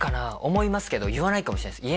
思いますけど言わないかもしれないです